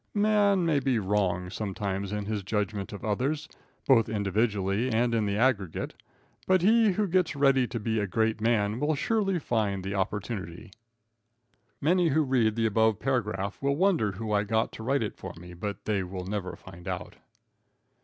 Man may be wrong sometimes in his judgment of others, both individually and in the aggregate, but he who gets ready to be a great man will surely find the opportunity. Many who read the above paragraph will wonder who I got to write it for me, but they will never find out.